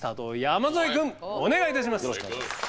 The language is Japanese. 山添君お願いいたします。